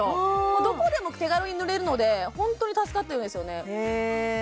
もうどこでも手軽に塗れるのでホントに助かってるんですよね